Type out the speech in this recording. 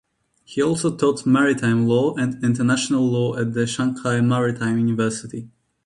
He also taught maritime law and international law at the Shanghai Maritime University.